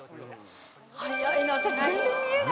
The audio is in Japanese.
早いな。